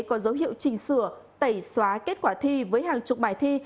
có dấu hiệu chỉnh sửa tẩy xóa kết quả thi với hàng chục bài thi